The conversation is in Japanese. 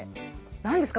何ですか？